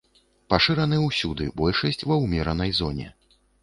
Пашыраны ўсюды, большасць ва ўмеранай зоне.